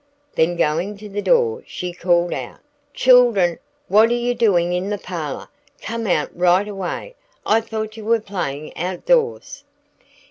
Then going to the door, she called out, "Children, what are you doing in the parlor? Come out right away. I thought you were playing out doors."